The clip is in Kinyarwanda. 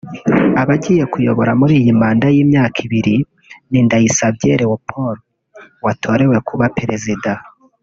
Abagiye kuyobora muri iyi manda y’imyaka ibiri ni Ndayisabye Leopord watorewe kuba Perezida